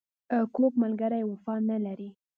کوږ ملګری وفا نه لري